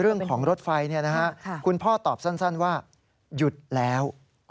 เรื่องของรถไฟคุณพ่อตอบสั้นว่าหยุดแล้ว